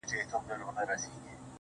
o اوس ولي نه وايي چي ښار نه پرېږدو.